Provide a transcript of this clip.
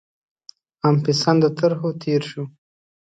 عام پسنده طرحو تېر شو.